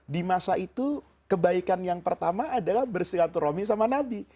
di masa itu kebaikan yang pertama adalah bersilaturahmi sama nabi